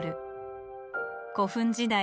古墳時代